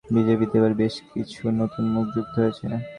লোকসভা নির্বাচন সামনে রেখে বিজেপিতে এবার বেশ কিছু নতুন মুখ যুক্ত হয়েছে।